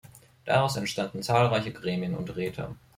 Daraus entstanden zahlreiche Gremien und Räte.